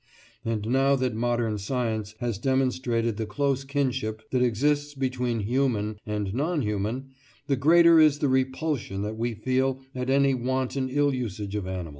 And now that modern science has demonstrated the close kinship that exists between human and non human, the greater is the repulsion that we feel at any wanton ill usage of animals.